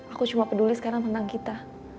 aku cuma peduli sekarang tentang kita